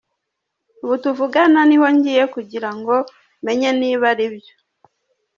Ubu tuvugana niho ngiye kugira ngo menye niba ari byo.